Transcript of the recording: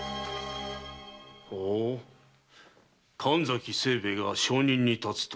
ほお神崎清兵衛が証人に立つと。